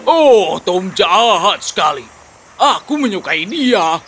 oh tom jahat sekali aku menyukai dia